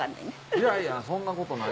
いやいやそんなことない